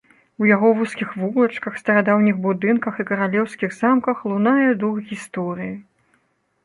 У яго вузкіх вулачках, старадаўніх будынках і каралеўскіх замках лунае дух гісторыі.